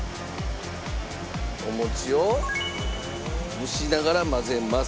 お餅を蒸しながら混ぜます。